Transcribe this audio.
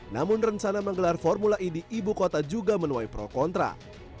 namun rencana menggelar formula e di ibu kota juga menuai pro kontra